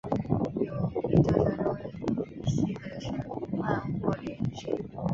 有研究者认为依西可能是鲈鳗或鲢鱼群。